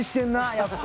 やっぱ。